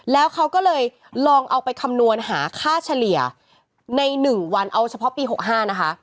แล้วเขาก็เลยลองเอาไปคำนวณหาค่าเฉลี่ยใน๑วันเอาเฉพาะปี๖๕นะคะ